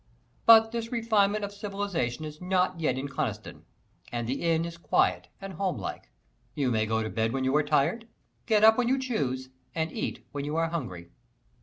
But this refinement of civilization is not yet in Coniston, and the Inn is quiet and homelike. You may go to bed when you are tired, get up when you choose, and eat when you are hungry.